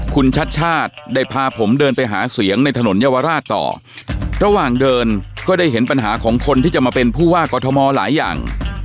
คุณชัดชาติได้พาผมเดินไปหาเสียงในถนนเยาวราชต่อระหว่างเดินก็ได้เห็นปัญหาของคนที่จะมาเป็นผู้ว่ากอทมหลายอย่าง